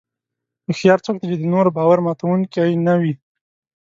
هوښیار څوک دی چې د نورو باور ماتوونکي نه وي.